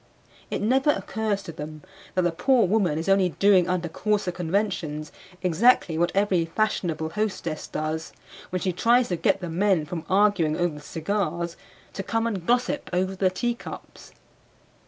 It never occurs to them that the poor woman is only doing under coarser conventions exactly what every fashionable hostess does when she tries to get the men from arguing over the cigars to come and gossip over the teacups.